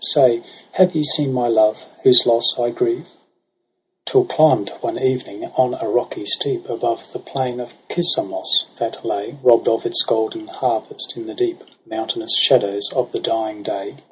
Say, have ye seen my love, whose loss I grieve? i^o EROS ^ PSYCHE 6 Till clixnb'd one evening on a rocky steep Above the plain of Cisamos, that lay, Robb'd of its golden harvest, in the deep Mountainous shadows of the dying day.